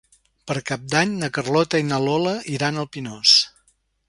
Per Cap d'Any na Carlota i na Lola iran al Pinós.